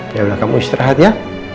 yaudah kamu istirahat ya